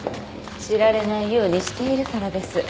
知られないようにしているからです。